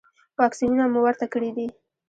واکسینونه مو ورته کړي دي؟